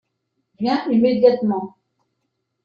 Viens immédiatement.